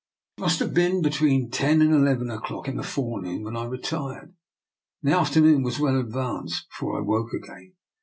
It must have been between ten and eleven o'clock in the forenoon when I retired; and the afternoon was well advanced before I woke again.